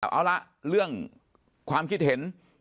เอาละเรื่องความคิดเห็น